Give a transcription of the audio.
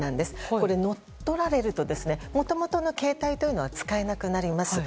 これ、乗っ取られるともともとの携帯というのは使えなくなります。